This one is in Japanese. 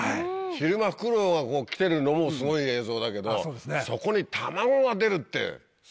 昼間フクロウが来てるのもすごい映像だけどそこに卵が出るってすごいじゃん。